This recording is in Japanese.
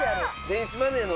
電子マネー？